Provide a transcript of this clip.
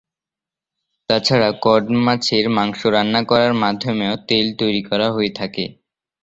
এছাড়া কড মাছের মাংস রান্না করার মাধ্যমেও তেল তৈরি করা হয়ে থাকে।